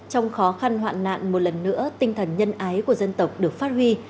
trong khó khăn hoạn nạn một lần nữa tinh thần nhân ái của dân tộc được phát huy